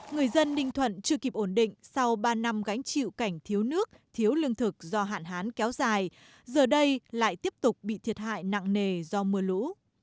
người dân ninh thuận chưa kịp ổn định sau ba năm gánh chịu cảnh thiếu nước thiếu lương thực do hạn hán kéo dài giờ đây lại tiếp tục bị thiệt hại nặng nề do mưa lũ